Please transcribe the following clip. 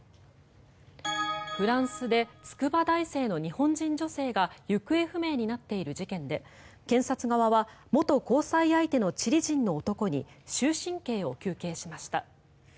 フランスで筑波大生の日本人女性が行方不明になっている事件で検察側は元交際相手のチリ人の男に終身刑を求刑しました。